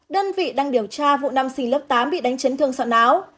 đơn vị đang điều tra vụ nam sinh lớp tám bị đánh trấn thương sợ náo